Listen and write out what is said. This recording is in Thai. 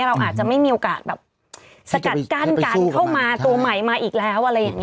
เราอาจจะไม่มีโอกาสแบบสกัดกั้นการเข้ามาตัวใหม่มาอีกแล้วอะไรอย่างนี้